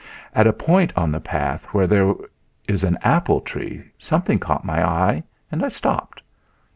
At a point on the path where there is an apple tree something caught my eye and I stopped.